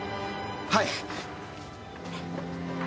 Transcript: はい！